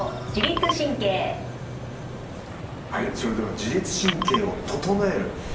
はいそれでは自律神経を整える。